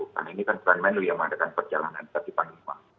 karena ini kan plan menlo yang mengadakan perjalanan ke panglima